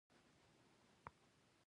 تاسې به ډزې پيلوئ.